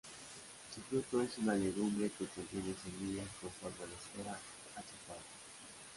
Su fruto es una legumbre que contiene semillas con forma de esfera achatada.